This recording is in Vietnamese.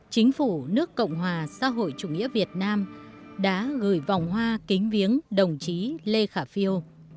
chính phủ nước cộng hòa xã hội chủ nghĩa việt nam đã gửi vòng hoa kính viếng đồng chí lê khả phiêu